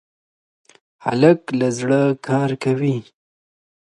هلک له زړه کار کوي.